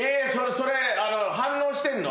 それ反応してんの？